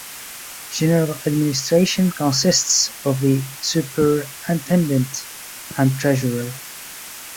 General administration consists of the superintendent and treasurer.